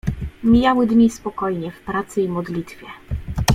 Mijały dni spokojnie w pracy i modlitwie.